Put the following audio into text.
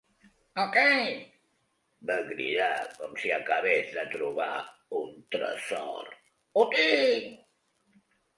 Okay! —va cridar, com si acabés de trobar un tresor— Ho tinc!